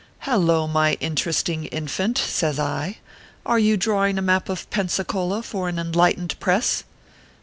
" Hallo, my interesting infant," says I, " are you drawing a map of Pensacola for an enlightened press